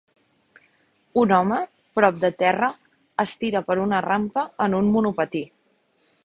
Un home, prop de terra, es tira per una rampa en un monopatí.